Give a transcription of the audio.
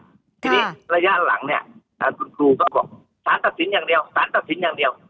ทีนี้ระยะหลังเนี่ยคุณครูก็บอกสารตัดสินอย่างเดียวสารตัดสินอย่างเดียว